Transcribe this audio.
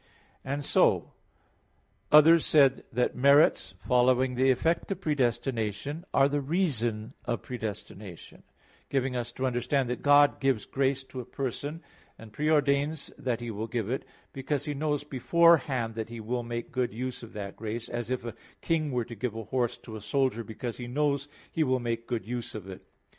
And so others said that merits following the effect of predestination are the reason of predestination; giving us to understand that God gives grace to a person, and pre ordains that He will give it, because He knows beforehand that He will make good use of that grace, as if a king were to give a horse to a soldier because he knows he will make good use of it.